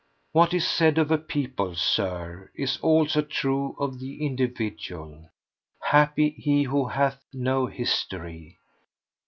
What is said of a people, Sir, is also true of the individual. Happy he who hath no history.